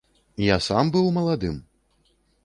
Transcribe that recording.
Я сам быў маладым!